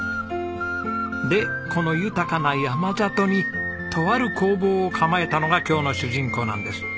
でこの豊かな山里にとある工房を構えたのが今日の主人公なんです。